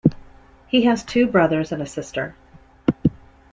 He has two brothers and a sister.